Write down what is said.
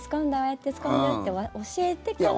やって使うんだよって教えてから。